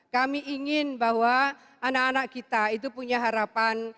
kami ingin bahwa anak anak kita itu punya harapan